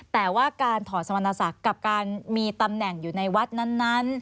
แต่ว่าการถอดสมณศักดิ์กับการมีตำแหน่งอยู่ในวัดนั้น